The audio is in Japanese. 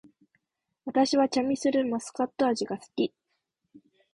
私はチャミスルマスカット味が好き